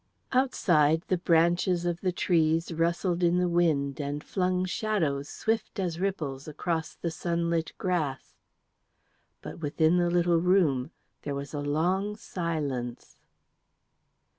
Outside the branches of the trees rustled in the wind and flung shadows, swift as ripples, across the sunlit grass. But within the little room there was a long silence.